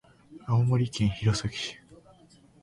青森県弘前市